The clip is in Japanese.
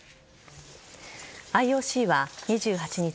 ＩＯＣは２８日